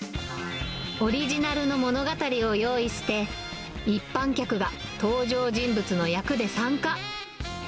オリジナルの物語を用意して、一般客が登場人物の役で参加。